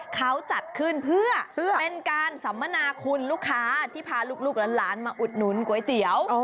เขาจัดขึ้นเพื่อเป็นการสัมมนาคุณลูกค้าที่พาลูกหลานมาอุดหนุนก๋วยเตี๋ยว